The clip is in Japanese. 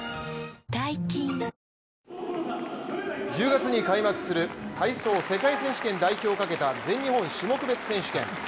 １０月に開幕する体操世界選手権代表をかけた全日本種目別選手権。